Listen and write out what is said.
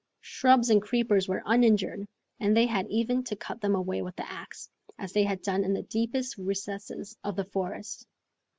Shrubs and creepers were uninjured, and they had even to cut them away with the axe, as they had done in the deepest recesses of the forest.